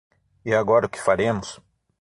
E agora o que faremos?